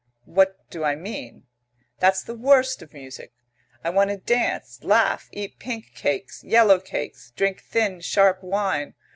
What do I mean? That's the worst of music! I want to dance, laugh, eat pink cakes, yellow cakes, drink thin, sharp wine.